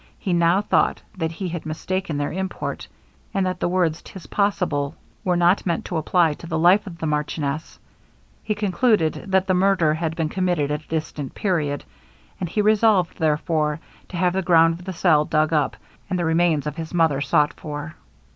He now thought that he had mistaken their import, and that the words ''tis possible,' were not meant to apply to the life of the marchioness, he concluded, that the murder had been committed at a distant period; and he resolved, therefore, to have the ground of the cell dug up, and the remains of his mother sought for.